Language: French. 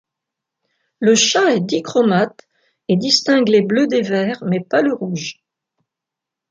Le chat est dichromate, et distingue les bleus des verts, mais pas le rouge.